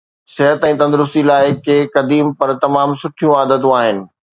صحت ۽ تندرستي لاءِ ڪي قديم پر تمام سٺيون عادتون آهن